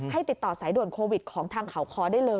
ให้ติดต่อสายโดนโควิดของทางข่าวคอได้เลย